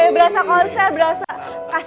berasa konser berasa